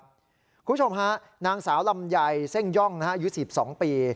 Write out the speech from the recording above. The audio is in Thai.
คุณผู้ชมฮะนางสาวลำไยเส้นย่องนะครับยืน๑๒ปี